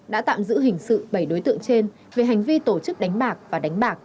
đã tạm giữ hình sự bảy đối tượng trên về hành vi tổ chức đánh bạc và đánh bạc